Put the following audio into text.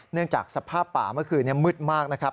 จากสภาพป่าเมื่อคืนนี้มืดมากนะครับ